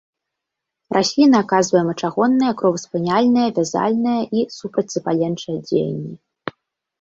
Расліна аказвае мачагоннае, кроваспыняльнае, вязальнае і супрацьзапаленчае дзеянні.